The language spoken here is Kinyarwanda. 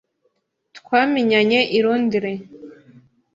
Twamenyanye i Londres.